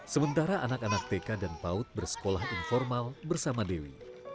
sementara anak anak tk dan paut bersekolah informal bersama dewi